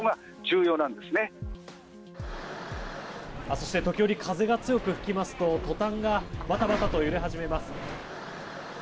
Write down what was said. そして時折風が強く吹きますとトタンがバタバタと揺れ始めます。